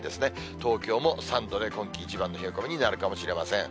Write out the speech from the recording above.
東京も３度で、今季一番の冷え込みになるかもしれません。